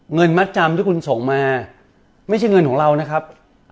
เงินมัดจำที่คุณส่งมาไม่ใช่เงินของเรานะครับ